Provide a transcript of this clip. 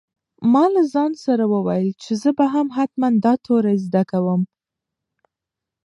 ما له ځان سره وویل چې زه به هم حتماً دا توري زده کوم.